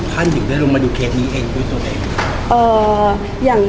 ถึงได้ลงมาดูเคสนี้เองด้วยตัวเอง